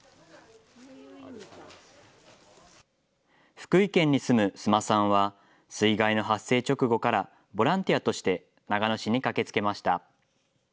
福井県に住む須磨さんは水害の発生直後からボランティアとして長野市に駆けつけました。